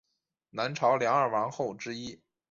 南朝梁二王后之一。